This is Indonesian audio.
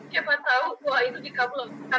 siapa tahu doa itu dikabulkan